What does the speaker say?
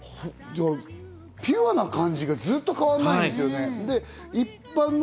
ピュアな感じがずっと変わらないですよね。